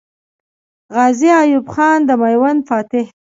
غازي ایوب خان د میوند فاتح دی.